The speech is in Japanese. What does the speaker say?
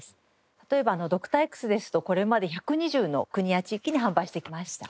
例えば『ドクターＸ』ですとこれまで１２０の国や地域に販売してきました。